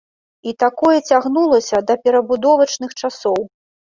І такое цягнулася да перабудовачных часоў.